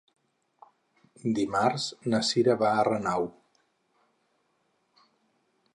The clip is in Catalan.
Dimarts na Cira va a Renau.